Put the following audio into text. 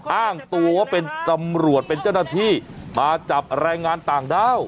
อ้างตัวว่าเป็นตำรวจเป็นเจ้าหน้าที่มาจับแรงงานต่างด้าว